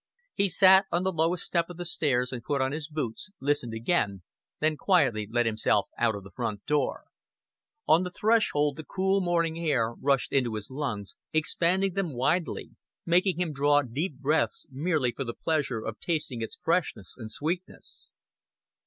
He sat on the lowest step of the stairs and put on his boots, listened again, then quietly let himself out of the front door. On the threshold the cool morning air rushed into his lungs, expanding them widely, making him draw deep breaths merely for the pleasure of tasting its freshness and sweetness.